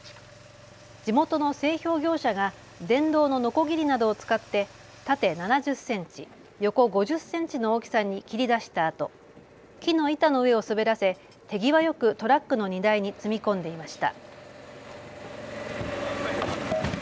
地元の製氷業者が電動ののこぎりなどを使って縦７０センチ、横５０センチの大きさに切り出したあと木の板の上を滑らせ手際よくトラックの荷台に積み込んでいました。